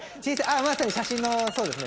まさに写真のそうですね